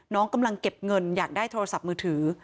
กำลังเก็บเงินอยากได้โทรศัพท์มือถือ